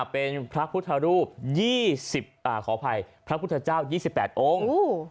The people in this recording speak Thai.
เป็นพระพุทธรูปขออภัยพระพุทธเจ้า๒๘องค์